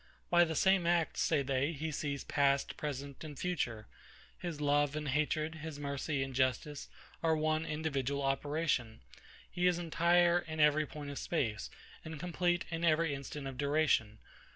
By the same act, say they, he sees past, present, and future: His love and hatred, his mercy and justice, are one individual operation: He is entire in every point of space; and complete in every instant of duration.